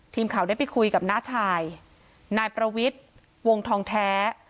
ทีมข่าวได้ไปคุยกับน้าชายนายประวิทย์วงทองแท้